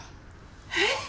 えっ！？